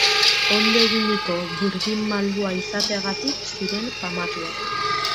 Ondo eginiko burdin malgua izateagatik ziren famatuak.